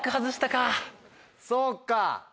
そうか。